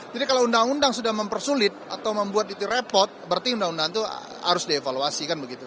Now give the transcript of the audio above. jadi kalau undang undang sudah mempersulit atau membuat itu repot berarti undang undang itu harus dievaluasi kan begitu